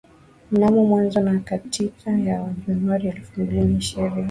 Mnamo mwanzo na katikati ya Januari elfu mbili na ishirini